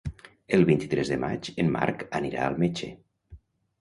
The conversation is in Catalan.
El vint-i-tres de maig en Marc anirà al metge.